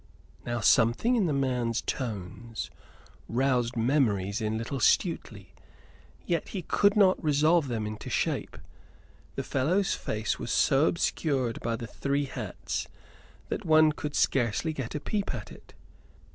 Now, something in the man's tones roused memories in little Stuteley, yet he could not resolve them into shape. The fellow's face was so obscured by the three hats that one could scarcely get a peep at it.